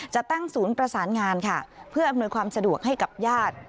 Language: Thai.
จะตั้งศูนย์ประสานงานค่ะเพื่ออำนวยความสะดวกให้กับญาติ